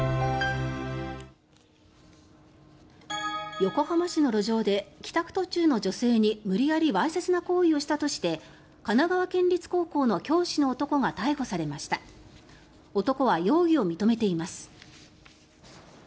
横浜市の路上で帰宅途中の女性に無理やりわいせつな行為をしたとして神奈川県立高校の教師の男が逮捕されました。